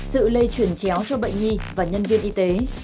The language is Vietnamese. sự lây chuyển chéo cho bệnh nhi và nhân viên y tế